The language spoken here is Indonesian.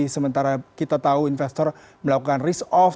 sementara kita tahu investor melakukan risk off